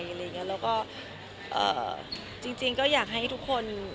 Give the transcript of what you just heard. เพราะจริงก็อยากให้ทุกคน